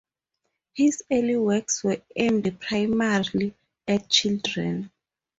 His early works were aimed primarily at children.